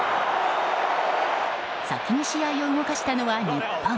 先に試合を動かしたのは日本。